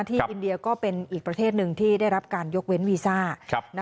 อินเดียก็เป็นอีกประเทศหนึ่งที่ได้รับการยกเว้นวีซ่า